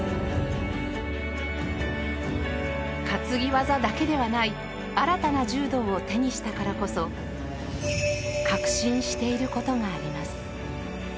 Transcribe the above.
担ぎ技だけではない新たな柔道を手にしたからこそ確信している事があります。